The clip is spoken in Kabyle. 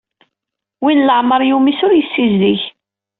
Win leɛmeṛ yumis ur yessizdig.